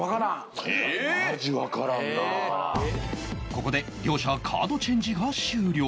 ここで両者カードチェンジが終了